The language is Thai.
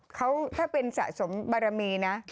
เขาถ้าเป็นสะสมบารมีนะ